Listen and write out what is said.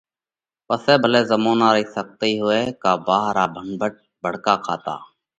پسئہ ڀلئہ زمونا ري سختي هوئہ ڪا ڀاهي را ڀنڀٽ ڀڙڪا کاتا